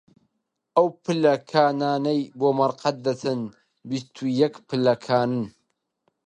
ئەو پلەکانانەی بۆ مەرقەد دەچن، بیست و یەک پلەکانن